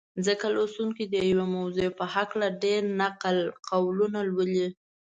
ځکه لوستونکي د یوې موضوع په هکله ډېر نقل قولونه لولي.